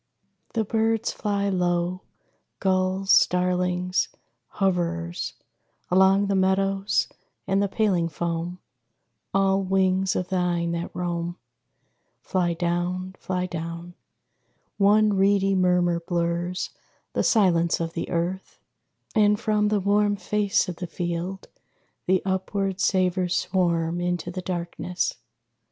The birds fly low. Gulls, starlings, hoverers, Along the meadows and the paling foam, All wings of thine that roam Fly down, fly down. One reedy murmur blurs The silence of the earth; and from the warm Face of the field the upward savors swarm Into the darkness.